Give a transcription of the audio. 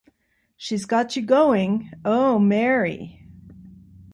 She's got you going — oh, Mary!